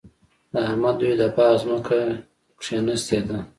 د احمد دوی د باغ ځمکه کېنستې ده.